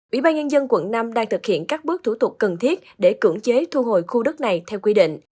ủy ban nhân dân quận năm đang thực hiện các bước thủ tục cần thiết để cưỡng chế thu hồi khu đất này theo quy định